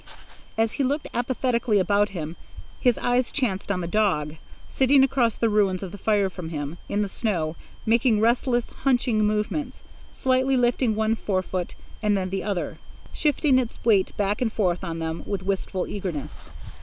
As he looked apathetically about him, his eyes chanced on the dog, sitting across the ruins of the fire from him, in the snow, making restless, hunching movements, slightly lifting one forefoot and then the other, shifting its weight back and forth on them with wistful eagerness.